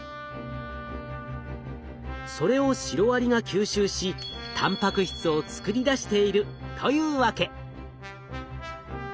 それをシロアリが吸収したんぱく質を作り出しているというわけ。